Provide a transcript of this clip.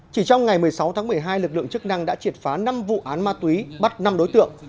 chỉ trong ngày một mươi sáu tháng một mươi hai lực lượng chức năng đã triệt phá năm vụ án ma túy bắt năm đối tượng